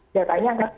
datanya angka kematian